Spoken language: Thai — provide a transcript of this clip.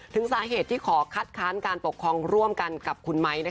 ถึงสาเหตุที่ขอคัดค้านการปกครองร่วมกันกับคุณไม้